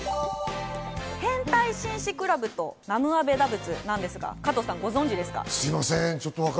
変態紳士クラブと南無阿部陀仏なのですが、加藤さんご存じですか？